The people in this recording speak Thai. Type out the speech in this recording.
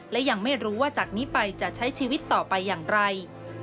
และยังไม่รู้ว่าจากนี้ไปจะใช้ชีวิตต่อไปอย่างไร